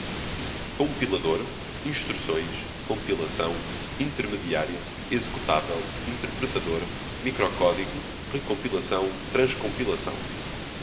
Compilador, instruções, compilação, intermediária, executável, interpretador, microcódigo, recompilação, transcompilação